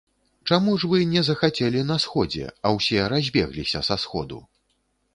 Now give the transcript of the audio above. Чаму ж вы не захацелі на сходзе, а ўсе разбегліся са сходу?